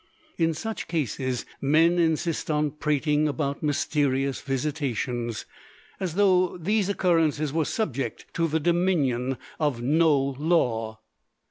In such cases men insist on prating about "mysterious visitations," as though these occurrences were subject to the dominion of no law.